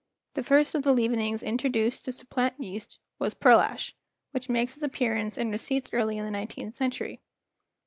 The first of the leavenings introduced to supplant yeast was pearl ash, which makes its appearance in receipts early in the nineteenth century.